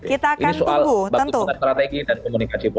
ini soal batu sengaja strategi dan komunikasi politik